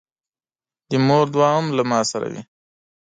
د مور دعا هم له ما سره وي.